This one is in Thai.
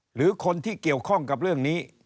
หรือคนที่เกี่ยวข้องกับเรื่องนี้